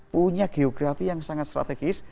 punya geografi yang sangat strategis